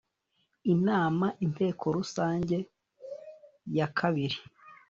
inama inteko rusange ya kabiri